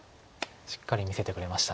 しっかり見せてくれました。